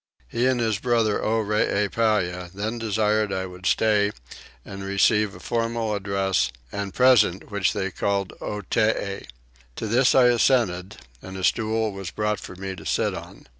He and his brother Oreepyah then desired I would stay and receive a formal address and present which they called Otee. To this I assented and a stool was brought for me to sit on.